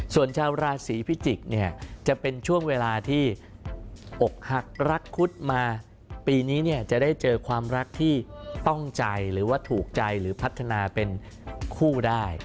ส่วนชาวราศีพิจิกษ์เนี่ยจะเป็นช่วงเวลาที่อกหักรักคุดมาปีนี้จะได้เจอความรักที่ต้องใจหรือว่าถูกใจหรือพัฒนาเป็นคู่ได้